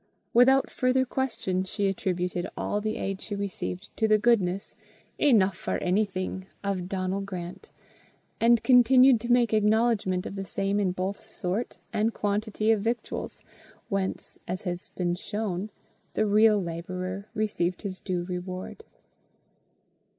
Without further question she attributed all the aid she received to the goodness, "enough for anything," of Donal Grant, and continued to make acknowledgment of the same in both sort and quantity of victuals, whence, as has been shown, the real labourer received his due reward.